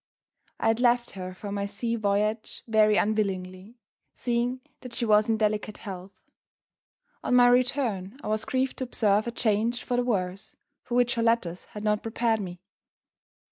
I had left her for my sea voyage very unwillingly seeing that she was in delicate health. On my return, I was grieved to observe a change for the worse, for which her letters had not prepared me.